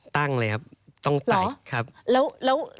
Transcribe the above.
ตั้งเลยครับต้องไต